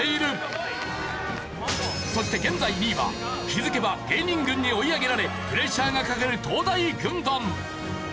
そして現在２位は気づけば芸人軍に追い上げられプレッシャーがかかる東大軍団。